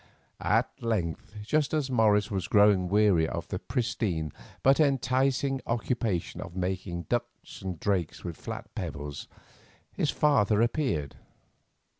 At length, just as Morris was growing weary of the pristine but enticing occupation of making ducks and drakes with flat pebbles, his father appeared.